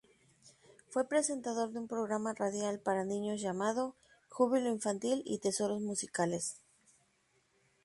Fue presentador de un programa radial para niños llamado "Júbilo Infantil" y "Tesoros musicales".